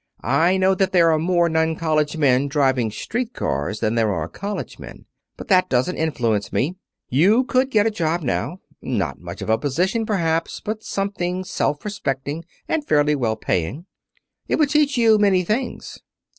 I know that there are more non college men driving street cars than there are college men. But that doesn't influence me. You could get a job now. Not much of a position, perhaps, but something self respecting and fairly well paying. It would teach you many things.